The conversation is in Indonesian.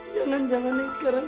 belakangan ini jadi keras